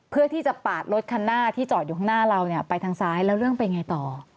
เพื่อที่จะปาดรถคันหน้าที่จอดอยู่ข้างหน้าเราเนี่ยไปทางซ้ายแล้วเรื่องเป็นไงต่อ